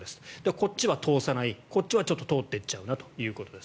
こっちは通さないこっちはちょっと通っていっちゃうということです。